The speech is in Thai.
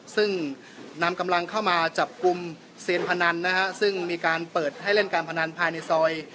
ซึ่งนำกำลังเข้ามาจับกลุ่มเซียนพนันนะฮะซึ่งมีการเปิดให้เล่นการพนันภายในซอย